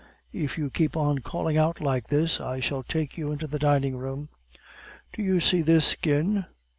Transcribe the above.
"If you keep on calling out like this, I shall take you into the dining room." "Do you see this skin?